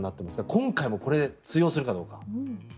今回もこれ、通用するかどうか。